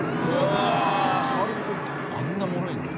あんなもろいんだ。